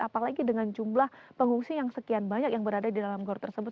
apalagi dengan jumlah pengungsi yang sekian banyak yang berada di dalam gor tersebut